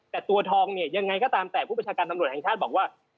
แต่ตัวทองเนี่ยยังไงก็ตามแต่ผู้ประชาการตำรวจแห่งชาติบอกว่า